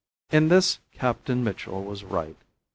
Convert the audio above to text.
In this Captain Mitchell was right.